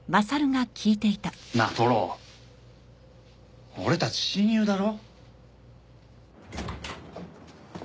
なあトロ俺たち親友だろ？